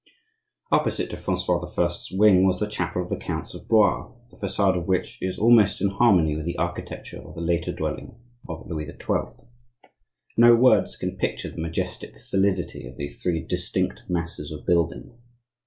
Opposite to Francois I.'s wing was the chapel of the counts of Blois, the facade of which is almost in harmony with the architecture of the later dwelling of Louis XII. No words can picture the majestic solidity of these three distinct masses of building.